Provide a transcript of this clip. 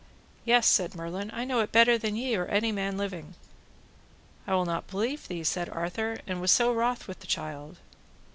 Yes, said Merlin, I know it better than ye or any man living. I will not believe thee, said Arthur, and was wroth with the child.